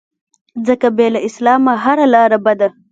ځکه بې له اسلام هره لاره بده